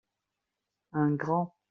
Un grand.